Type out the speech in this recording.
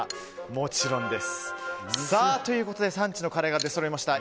もちろんです。ということで、産地のカレーが出そろいました。